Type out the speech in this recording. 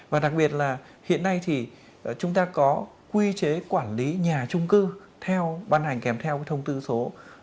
và đặc biệt là hiện nay thì chúng ta có quy chế quản lý nhà chung cư theo bàn hành kèm theo thông tư số hai hai nghìn một mươi sáu